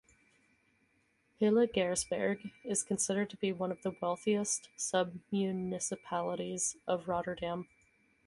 Hillegersberg is considered to be one of the wealthiest sub-municipalities of Rotterdam.